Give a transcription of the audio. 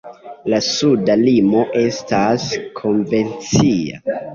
La suda limo estas konvencia.